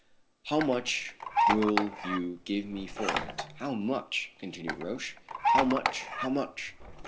"How much will you give me for it how much?" continued Roch. "How much how much?"